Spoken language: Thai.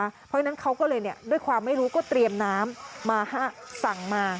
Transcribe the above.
เพราะฉะนั้นเขาก็เลยด้วยความไม่รู้ก็เตรียมน้ำมาสั่งมา